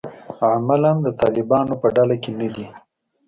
عملاً د طالبانو په ډله کې نه دي.